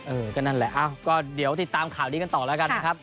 เออก็นั่นแหละเอ้าก็เดี๋ยวติดตามข่าวนี้กันต่อแล้วกันนะครับ